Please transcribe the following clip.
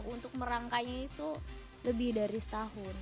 untuk merangkainya itu lebih dari setahun